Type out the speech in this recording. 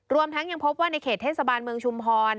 รวมทั้งยังพบว่าในเขตเทศบาลเมืองชุมพร